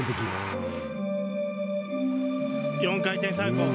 ４ 回転サルコー